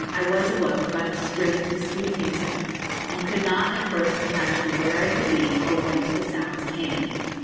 I was awoke by the strains of sweet music, and could not at first imagine where I could be, or whence the sounds came.